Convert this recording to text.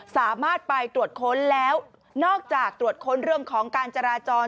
สามารถไปตรวจค้นแล้วนอกจากตรวจค้นเรื่องของการจราจร